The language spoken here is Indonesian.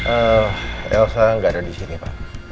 eh elsa nggak ada disini pak